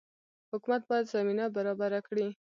حکومت باید زمینه برابره کړي